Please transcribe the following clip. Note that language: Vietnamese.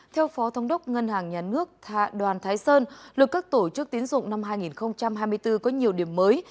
theo phó thống đốc ngân hàng nhà nước đoàn thái sơn luật các tổ chức tiến dụng năm hai nghìn hai mươi bốn có nhiều điểm mới